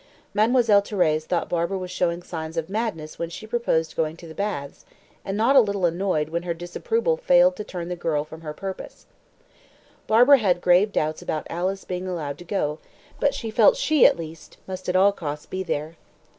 Mademoiselle Thérèse thought Barbara was showing signs of madness when she proposed going to the baths, and was not a little annoyed when her disapproval failed to turn the girl from her purpose. Barbara had grave doubts about Alice being allowed to go, but she felt she, at least, must at all costs be there.